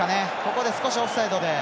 ここで少しオフサイドで。